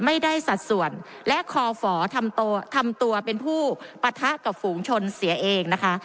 สัดส่วนและคอฝทำตัวเป็นผู้ปะทะกับฝูงชนเสียเองนะคะ